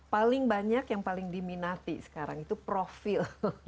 paling banyak yang paling diminati sekarang itu profil